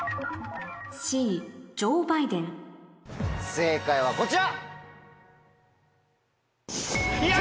正解はこちら！